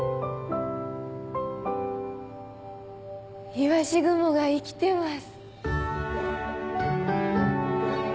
いわし雲が生きてます。